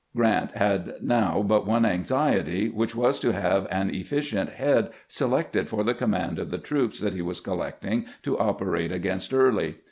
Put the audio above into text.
Grant had now but one anxiety, which was to have an efScient head selected for the command of the troops that he was collecting to operate against Early.